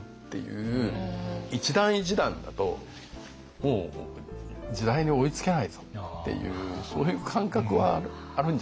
一段一段だともう時代に追いつけないぞっていうそういう感覚はあるんじゃないですかね。